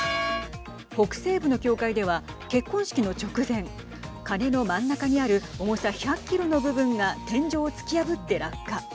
北西部の教会では結婚式の直前鐘の真ん中にある重さ１００キロの部分が天井を突き破って落下。